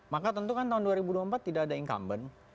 maka tentu kan tahun dua ribu dua puluh empat tidak ada incumbent